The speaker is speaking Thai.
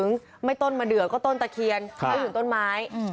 ไม่ต้นมะเดือก็ต้นตะเคียนเขาอยู่ต้นไม้